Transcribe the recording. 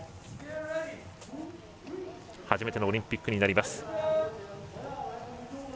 初めてのオリンピックになります。